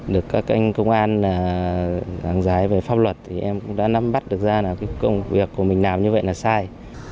được các anh công an giảng dạy về pháp luật thì em cũng đã nắm bắt được ra là công việc của mình làm như vậy là sai